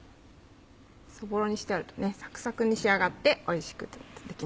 そぼろにしてはサクサクに仕上がっておいしくできます。